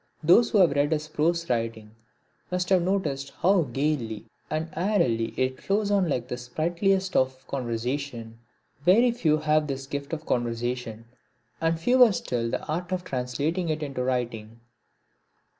Those who have read his prose writing must have noticed how gaily and airily it flows on like the sprightliest of conversation. Very few have this gift of conversation, and fewer still the art of translating it into writing.